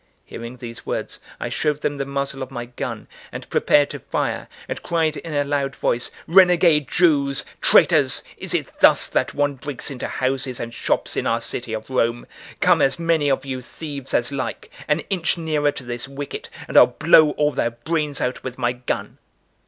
Hearing these words, I showed them the muzzle of my gun, and prepared to fire, and cried in a loud voice: "Renegade Jews, traitors, is it thus that one breaks into houses and shops in our city of Rome? Come as many of you thieves as like, an inch nearer to this wicket, and I'll blow all their brains out with my gun."